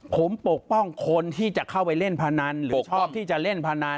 ผมปกป้องคนที่จะเข้าไปเล่นพนันหรือชอบที่จะเล่นพนัน